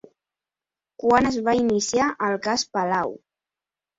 Quan es va iniciar el cas Palau?